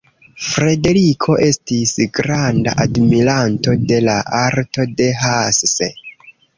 Frederiko estis granda admiranto de la arto de Hasse.